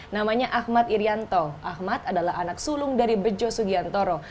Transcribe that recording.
namanya ahmad irianto ahmad adalah anak sulung dari bejo sugiantoro